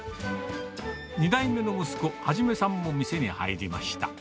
２代目の息子、一さんも店に入りました。